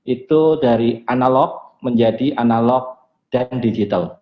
itu dari analog menjadi analog dan digital